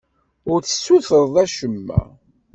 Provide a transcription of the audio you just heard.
Ur d-tessutreḍ acemma.